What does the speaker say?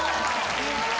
すごーい！